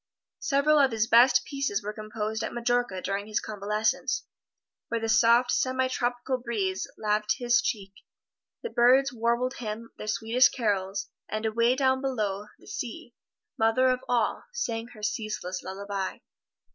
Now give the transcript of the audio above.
Several of his best pieces were composed at Majorca during his convalescence, where the soft semi tropical breeze laved his cheek, the birds warbled him their sweetest carols, and away down below, the sea, mother of all, sang her ceaseless lullaby.